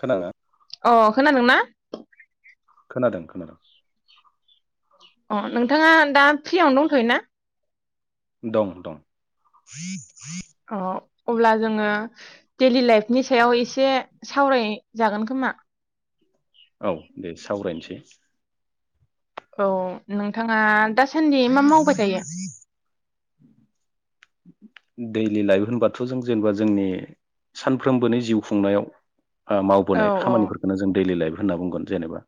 खोनाङा [inaudible] अ' खोनादोंना? खोनादों खोनादों। अ' नोंथाङा दा फ्रियावनो दंथ'यो ना? दं दं। अ। अब्ला जोंङो डेलि लाइफनि सायाव एसे सावराय जागोन खोमा औ दे सावरायनोसै। औ नों थांङा दासा सान्दि मा मावबाय थायो? दैलि लाइफ होनबाथ' जों जेनेबा जोंनि सानफ्रोमबोनि जिउ खुंनायाव ओ औ मावबोनाय खामानिफोरखौनो जों दैलि लाइफ होनना बुंगोन जेनेबा।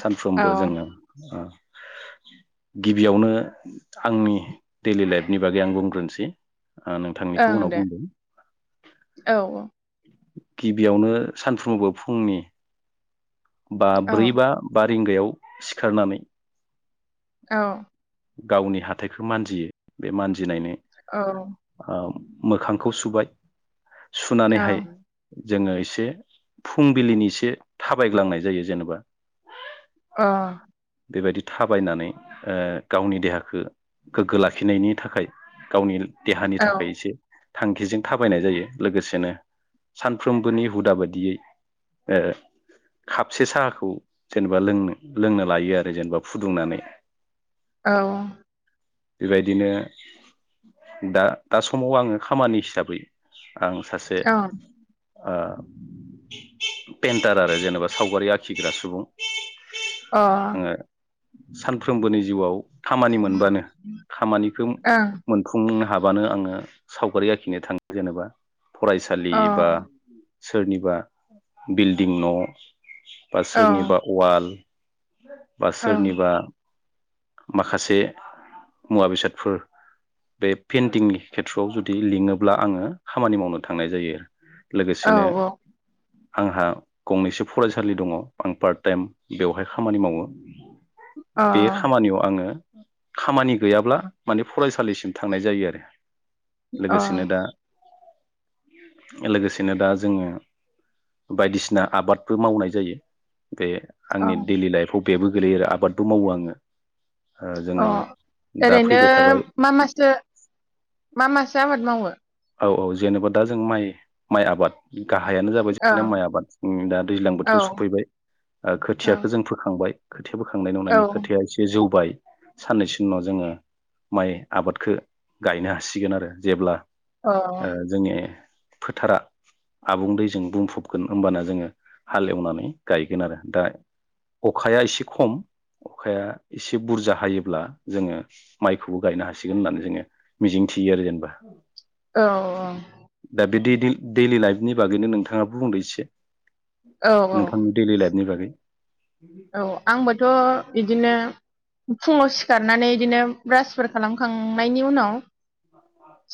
सानफ्रोमबो जोंङो औ ओ गिबियावनो आंनि दैलि लाइफनि बागै आं बुंग्रोनोसै। ओ नोंथांनिखौ ओं उनाव दे बुंदों औ औ। गिबियावनो सानफ्रोमबो फुंनि बा औ ब्रै बा रिंगायाव सिखारनानै औ। गावनि हाथायखो मानजियो बे मानजिनायनि औ ओम। मोखांखौ सुबाय औ अ सुनानैहाय जोंङो इसे फुंबिलिनि इसे थाबायग्लांनाय जायो जेनेबा। अ। बेबायदि थाबायनानै ओ गावनि देहाखौ गोग्गो लाखिनायनि थाखाय गावनि देहानि औ थाखाय इसे थांखिजों थाबायनाय जायो लोगोसेनो सानफ्रोमबोनि हुदा बायदियै ओ खापसे साहाखौ जेनेबा लोंनो लोंनो लायो आरो जेनेबा फुदुंनानै। औ। बेबायदिनो दा दा समाव आंङो खामानि हिसाबै आं सासे ओ पेन्टार आरो जेनेबा सावगारि आखिग्रा सुबुं। अ। आङो सानफ्रोमबोनि जिउआव खामानि मोनबानो खामानिखौ ओं अ मोनफुंनो हा बानो आंङो सावगारि आखिनो थांङो जेनोबा। फरायसालि औ बा सोरनिबा बिल्डिं न' बा सोरनिबा अवाल बा ओं औ सोरनिबा माखासे मुवा बेसादफोर बे पेइन्टिंनि खेथ्र'आव जुदि लिङोब्ला आङो खामानि मावनो थांनाय जायो लोगोसेनो औ आंहा गंनैसो फरायसालि दङ आं पार्ट टाइम बेवहाय खामानि मावो अ बे खामानियाव आङो खामानि गैयाब्ला माने फरायसालिसिम थांनाय जायो आरो अ लोगोसेनो दा लोगोसेनो दा जोङो बायदिसिना आबादबो मावनाय जायो बे अ आंनि डेलि लाइफआव बेबो गोलैयो आरो आबादबो मावो आङो ओ अ जोङो दा ओरैनो फैबाय थाबाय मा मासो मा मासो आबाद मावो? औ औ जेनेबा दा जों माइ माइ आबाद गाहायानो जाबाय औ जोंना माइ आबाद उम दा दैज्लां बोथोरखौ सफैबाय ओ औ खोथियाखौ जों फोखांबाय खोथिया बोखांनाय नंनायनि खोथाया एसे जौबाय साननैसोनि उनाव जोङो माइ आबादखौ गायनो हासिगोन आरो जेब्ला ओ औ जोंनि फोथारा आबुं दैजों बुंफबगोन हबाना जोङो हाल एवनानै गायगोन आरो दा अखाया एसे खम अखाया एसे बुरजा हायोब्ला जोङो माइखौबो गायनो हासिगोन होननानै जोङो मिजिं थियो आरो जेनेबा औ औ दा बे डेलि डेलि लाइफनि बागैनो नोंथाङाबो बुंदो एसे औ नोंथांनि दैलि लाइफनि बागै [inaudible] औ आंबोथ' बिदिनो फुङाव सिखारनानै बिदिनो ब्रासफोर खालामखांनायनि उनाव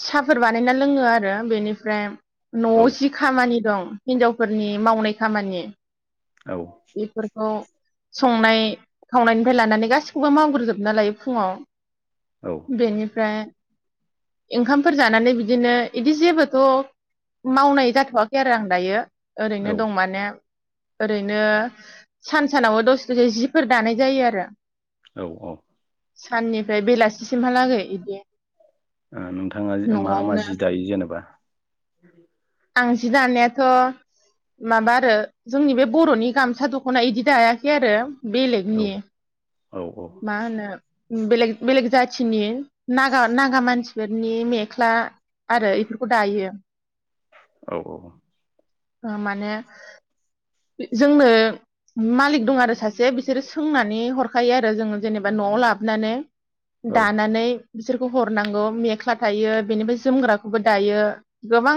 साहाफोर बानायना लोङो आर आरो बेनिफ्राय औ न'आव जि खामानि दं हिनजावफोरनि मावनाय खामानि औ एफोरखौ संनाय खावनायनिफ्राय लानानै गासिखौबो मावग्रोजोब ना लायो फुङाव औ बेनिफ्राय ओंखामफोर जानानै बिदिनो बिदि जेबोथ' मावनाय जाथ'वाखै आरो आं दायो। ओरैनो औ दं माने। ओरैनो सानसे सानावबो दसे दसे जिफोर दानाय जायो आरो। औ औ। साननिफ्राय बेलासिसिमहालागै बिदि। नोंथाङा मा मा जि दायो जेनेबा? आं जि दानायाथ' माबा आरो जोंनि बे बर'नि गामसा दख'ना इदि दायाखै आरो। औ बेलेगनि औ औ मा होनो- बेलेग बेलेग जाथिनि नागा नागा मानसिफोरनि मेख्ला आरो बेफोरखौ दायो। औ औ। औ माने जोंनो मालिक दं आरो सासे बिसोरो सोंनानै हर थाखायो आरो जोङो जेनेबा न'आव लाबोनानै। औ दानानै। बिसोरखौ हरनांगौ मेख्ला थायो बेनिफ्राय जोमग्राखौबो दायो। गोबां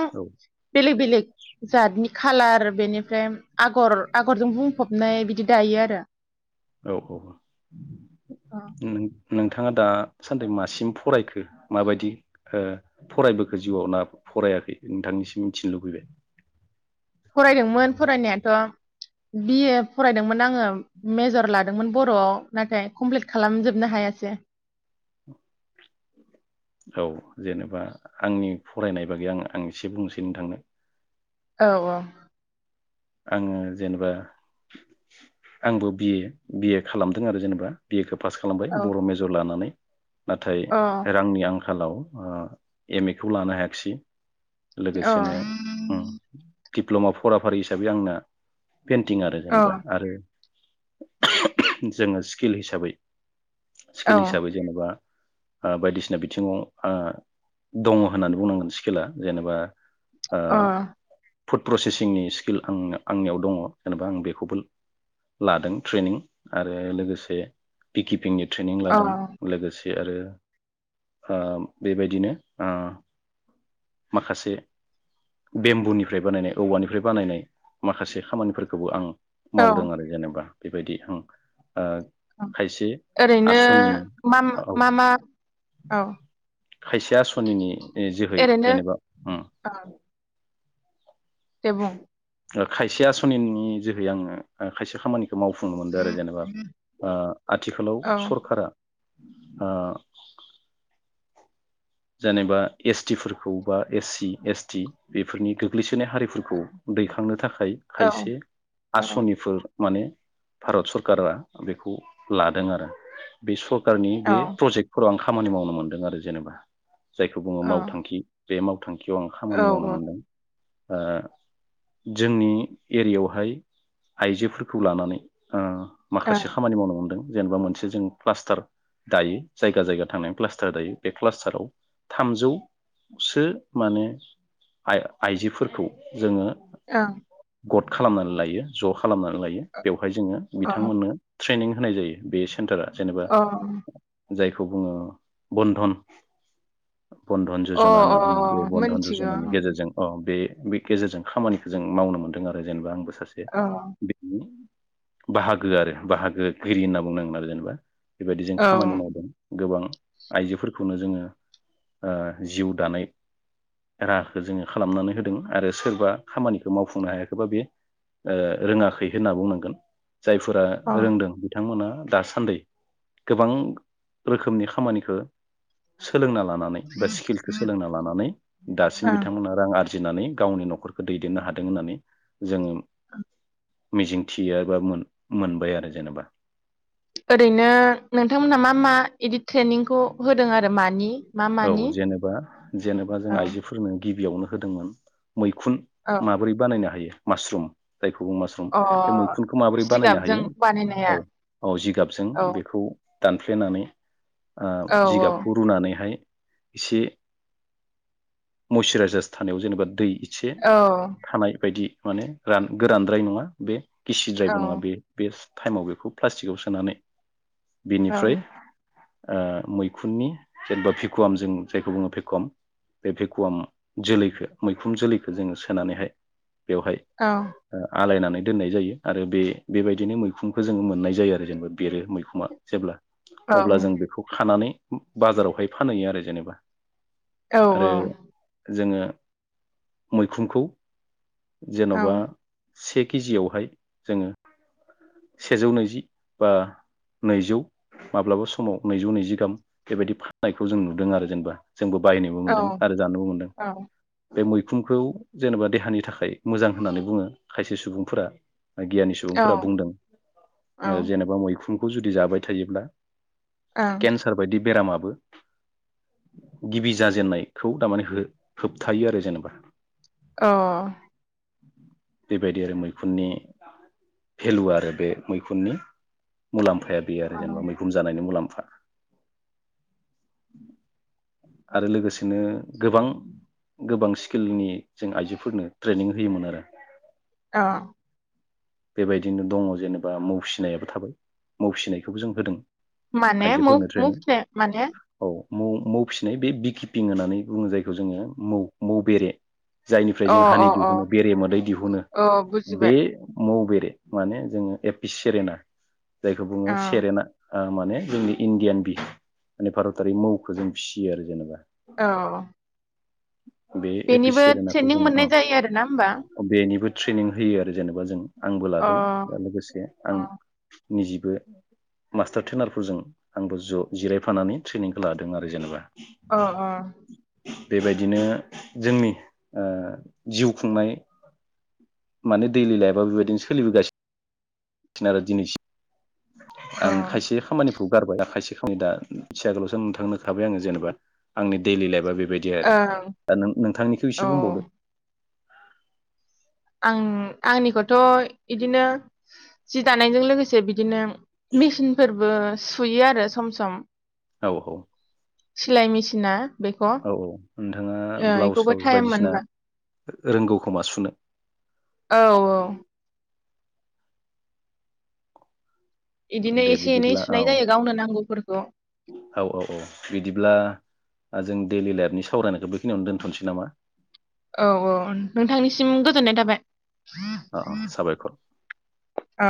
बेलेग बेलेग जातनि खालार बेनिफ्राय आगर आगरजों बुंफबनाय बिदि दायो आरो। औ औ नों नोंथाङा दासान्दि मासिम फरायखो माबायदि फरायबोखो जिउआव ना फरायाखै नोंथांनिसिम मिथिनो लुबैबाय? फरायदोंमोन फरायनायाथ'। बिए फरायदोंमोन आङो मेजर लादोंमोन बर'आव नाथाय कमप्लिट खालामजोबनो हायासै। औ जेनेबा आंनि फरायनाय बागै आं आं एसे बुंनोसै नोथांनो। औ औ। आङो जेनेबा आंबो बिए बिए खालामदों आरो जेनेबा। बि ए खौ पास खालामबाय औ बर' मेजर लानानै। नाथाय औ रांनि आंखाल आंखालाव एम ए खौ लानो हायाखिसै। औ लोगोसेनो ओम। दिप्ल'मा फराफारि हिसाबै आंना। पेइन्टिं आरो औ जेनेबा आरो जोङो स्किल हिसाबै। औ स्किल हिसाबै जेनेबा। ओ बायदिसिना बिथिङाव ओ दङ' होननानै बुंनांगोन स्किला जेनेबा। ओ अ फुड प्रसेसिंनि स्किल आं आंनियाव दङ जेनेबा आं बेखौबो लादों ट्रेनिं आरो लोगोसे बिकिपिंनि ट्रेनिं औ लादों लोगोसे आरो ओ बेबायदिनो ओ माखासे बेम्बुनिफ्राय बानायनाय औवानिफ्राय बानायनाय माखासे खामानिफोरखौबो आं मावदों आरो जेनेबा। बेबायदि हों औ ओरैनो आसनिनि माम औ मा मा औ खायसे आसनिनि। जोहै ओरैनो जेनेबा उम। औ दे बुं? ओ खायसे आसनिनि जोहै आङो ओ खायसे खामानि खौ मावफुंनो मोनदों आरो जेनेबा ओ आथिखालाव औ सरकारा ओ जेनेबा एस टि फोरखौ बा एस सि एस टि बेफोरनि गोग्लैसोनाय हारिफोरखौ दैखांनो था खाय औ खायसे औ आसनिफोर माने भारत सरकारा बेखौ लादों आरो बे सर कारनि औ बे प्रजेक्टफोराव आं खामानि मावनो मोनदों आरो जेनबा। जायखौ बुङो औ मावथांखि। बे मावथां खियाव आं औ खामानि ओं मावनो ओं मोनदों। ओ जोंनि एरियायावहाय आइजोफोरखौ लानानै ओ अ माखासे खामानि मावनो मोनदों। जेनेबा मोनसे जों प्लास्टार दायो जायगा जायगा थांनानै प्लास्टार दायो बे प्लास्टाराव थामजौ सो माने आइ आइजोफोरखौ जोङो ओं गद खालामनानै लायो ज खालामनानै लायो बेव हाय जोङो अ बिथांमोननो ट्रेनिं होनाय जायो बे सेन्टारा जेनेबा। जायखौ बुङो बन्धन बन्धन अ जजना होनना बुङो बे बन्धन मोनथिगौ जजनानि गेजेरजों अ बे बे गेजेरजों खामानिखौ जों मावनो मोनदों आरो जेनेबा आंबो सासे औ बिनि बाहागो आरो बाहागोगिरि होनना बुंनांगोन आरो जेनेबा बेबायदि जों औ खामानि मावदों। गोबां आइजोफोरखौनो जोङो ओ जिउ दानाय राहाखौ जोङो खालामनानै होदों आरो सोरबा खामानिखौ मावफुंनो हायाखैबा बे रोङाखै होनना बुंनांगोन जायफोरा अ ओं रोंदों बिथांमोना दासान्दै गोबां रोखोमनि खामानिखौ सोलोंना ला लानानै बा स्किलखौ सोलोंना लानानै दासिम बिथांमोना रां आरजि आरजिनानै गावनि नखरखौ दैदेननो हादों होननानै जोङो मिजिंथियो बा मोनबाय आरो जेनेबा ओरैनो नोंथांमोनहा मा मा बिदि ट्रेनिंखौ होदों आरो मानि? मा औ मानि जेनेबा जेनेबा जों औ आइजोफोरनो गिबियावनो होदोंमोन मैखुन औ माबोरै बानायनो हायो मास्रुम जायखौ मास्रुम अ बे मैखुनखौ माबोरै बानायनो जिगाबजों हायो बानायनाया औ औ जिगाबजों औ बेखौ दानफ्लेनानै ओ औ जिगाबखौ रुनानैहाय एसे मयस्चुराइजारस थानायाव जेनेबा दै एसे औ थानाय बायदि माने रान गोरानद्राय नङा बे औ गिसिद्रायबो नङा बे बेस्ट टाइमाव बेखौ प्लास्टिकआव सोनानै औ बेनिफ्राय ओ मैखुननि जेनेबा भेकुवाम जों जायखौ बुङो भेकुवाम बे भेकुवाम जोलैखौ मैखुन जोलैखौ जोङो सोनानैहाय बेवहाय औ आलायनानै दोननाय जायो आरो बेबायदिनो मैखुनखौ जोङो मोननाय जायो आरो जेनेबा बेरो मैखुङा जेब्ला औ अब्ला जों बेखौ खानानै बाजारावहाय फानहैयो आरो जेनेबा औ आरो जोङो मैखुनखौ औ जेनबा से केजियावहाय जोंङो सेजौ नैजि बा नैजौ माब्लाबा समाव नैजौ नैजि गाहाम बेबायदि फाननायखौ जों नुदों आरो जेनेबा। जोंबो बायनोबो मोनदों ओं आरो जानोबो मोनदों। बे मैखुनखौ जेनेबा देहानि थाखाय मोजां होननानै बुंङो खायसे सुबुंफोरा। गियानि सुबुंफोरा बुंदों। जेनेबा मैखुन खौ जुदि जाबाय थायोब्ला केन्सार बायदि बेरामाबो गिबि जाजेननायखौ थारमाने हो-होबथायो आरो जेनेबा। अ बेबायदि आरो मैखुननि भेलु आरो बे मैखुननि मुलाम फाया बेयो अ आरो जेनेबा मैखुन जानायनि मुलाम आरो लोगोसेनो गोबां गोबां स्किलनि जों आइजोफोरनो ट्रेनिं होयोमोन आरो। अ बेबायदिनो दंङ। जेनेबा मौ फिनाय थाबाय मौ फिनायखौबो जों होदों। माने आइजोफोरनो मौ-मौ ट्रेनिं माने? औ मौ मौ फिसिनाय बे बि किपिं होननानै बुंङो जायखौ जोंङो मौ मौ बेरे। जायनिफ्राय अ जों हानि अ दिहुनो बेरे मोदै दिहुनो अ बे बुजिबाय मौ बे बे माने जोंङो बे बि सिरिना जायखौ बुंङो ओ सेरेना। ओ माने जोंनि इण्डियान बि माने भारतारि मौखौ जों फियो आरो जेनेबा। औ बे एपिस बेनिबो सेरेनाखौ ट्रेनिं जोङो मोननाय जायो आरोना होमबा? अ बेनिबो ट्रेनिं होयो आरो जेनेबा जों। आंबो अ लादों दा लोगोसे आं अ निजिबो मास्टार ट्रेनारफोरजों आंबो ज' जिरायफानानै ट्रेनिंखौ लादों आरो जेनेबा। अ बेबायदिनो जोंनि ओ जिउ खुंनाय माने दैलि लाइफा बेबायदिनो सोलिबोगासिनो। सिनो आरोरो दिनैसि अ आं खायसे खामानि [unintelligible] खायसे दा एसे आगोलावसो नोंथांनो खोथाबाय आङो जेनेबा आंनि दैलि लाइफा बे बेबायदि आरो ओं दा नों नोंथांनिखौ इसे औ बुंबावदो। आं आंनिखौ थ' इदिनो। जि दानायजों लोगोसे बिदिनो मिसिन फोरबो सुयो आरो सम- सम। औ औ। सिलाय मेसिना औ औ नोथांङा ब्लाउस इखौबो साउस टाइम बायदिसिना मोनबा रोंगौ खोमा सुनो। औ औ इदिनो दे एसे एनै बिदिब्ला औ सुनाय जायो गावनो नांगौफोरखौ। ओ जों दैलि लाइफनि सावरायनायखौ बेखिनियावनो दोनथ'नोसै नामा? औ औ नोंथांनिसिम गोजोननाय थाबाय। अ अ साबायखर [inaudible] ओ